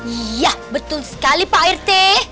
iya betul sekali pak rt